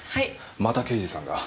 また刑事さんが。